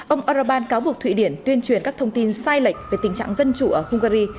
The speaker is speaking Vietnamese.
ông erbal cáo buộc thụy điển tuyên truyền các thông tin sai lệch về tình trạng dân chủ ở hungary